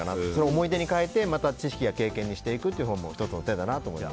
思い出に変えてまた知識や経験にしていくのも１つの手だなと思います。